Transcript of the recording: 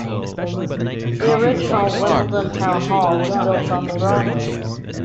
The original Wimbledon Town Hall was built on The Broadway.